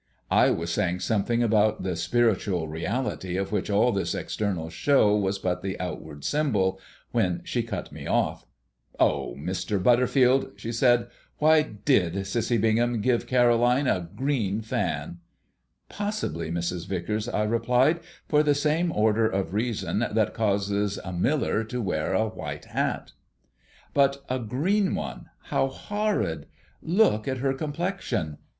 I was saying something about the spiritual reality of which all this external show was but the outward symbol, when she cut me off. "Oh, Mr. Butterfield," she said, "why did Cissie Bingham give Caroline a green fan?" "Possibly, Mrs. Vicars," I replied, "for the same order of reason that causes a miller to wear a white hat." "But a green one how horrid! Look at her complexion!"